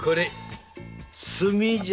炭じゃよ。